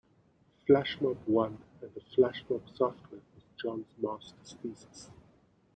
FlashMob I and the FlashMob software was John's master's thesis.